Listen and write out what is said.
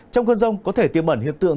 trong cơn rông có thể tiêm ẩn hiện tượng